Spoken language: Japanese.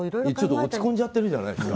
落ち込んじゃってるじゃないですか。